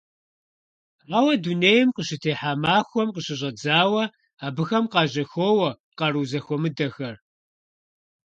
Ауэ, дунейм къыщытехьа махуэм къыщыщIэдзауэ абыхэм къажьэхоуэ къару зэхуэмыдэхэр.